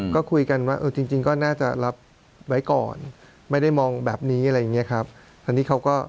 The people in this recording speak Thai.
ก็คุยกันว่าเออจริงก็น่าจะรับไว้ก่อนไม่ได้มองแบบนี้อะไรอย่างนี้ครับ